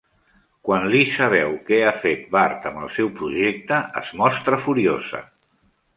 Quan Lisa veu què ha fet Bart amb el seu projecte, es mostra furiosa.